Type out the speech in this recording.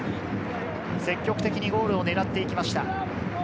積極的にゴールを狙っていきました。